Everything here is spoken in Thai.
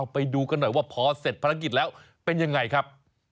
ไปดูกันหน่อยว่าพอเสร็จภารกิจแล้วเป็นยังไงครับ